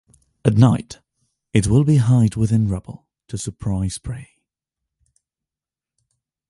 At night it will hide within rubble to surprise prey.